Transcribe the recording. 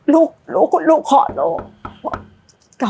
ลูกลูกขอโลก